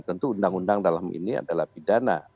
tentu undang undang dalam ini adalah pidana